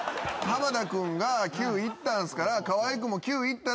濱田君が９いったんすから。